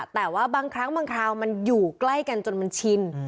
แต่ว่าบางครั้งบางคราวมันอยู่ใกล้กันจนมันชิน